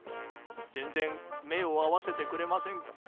全然、目を合わせてくれません。